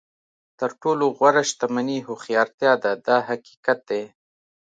تر ټولو غوره شتمني هوښیارتیا ده دا حقیقت دی.